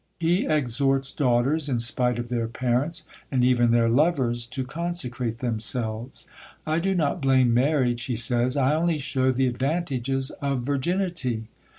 He exhorts daughters, in spite of their parents, and even their lovers, to consecrate themselves. "I do not blame marriage," he says, "I only show the advantages of VIRGINITY."